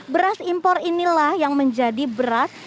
beras impor inilah yang menjadi beras